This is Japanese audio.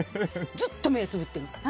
ずっと目をつぶってる。